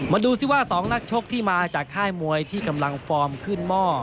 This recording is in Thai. ดูสิว่า๒นักชกที่มาจากค่ายมวยที่กำลังฟอร์มขึ้นหม้อ